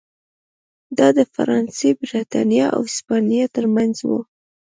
دا د فرانسې، برېټانیا او هسپانیا ترمنځ و.